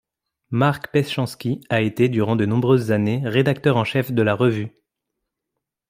Marc Peschanski a été, durant de nombreuses années, rédacteur en chef de la revue.